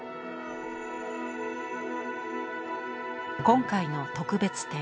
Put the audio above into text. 今回の特別展